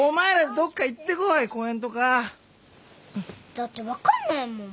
だって分かんないもん。